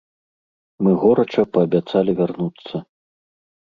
Мы горача паабяцалі вярнуцца.